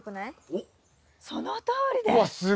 そのとおりです！